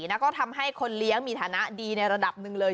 แล้วก็ทำให้คนเลี้ยงมีฐานะดีในระดับหนึ่งเลย